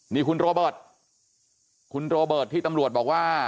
นี่คุณโรเบิร์ตคุณโรเบิร์ตที่ตำรวจบอกว่า